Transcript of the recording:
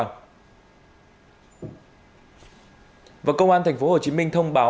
công an tp hcm thông báo ai là nạn nhân của khanh và phan đến phòng cảnh sát hình sự số bốn trăm năm mươi chín đường trần hưng đạo